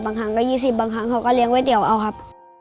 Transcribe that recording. บางครั้งก็๒๐บางครั้งเขาก็เลี้ยก๋วยเตี๋ยวเอาครับ